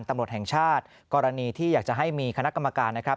ตำรวจแห่งชาติกรณีที่อยากจะให้มีคณะกรรมการนะครับ